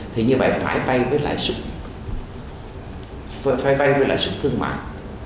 thì như vậy phải vay với lãi sức thương mại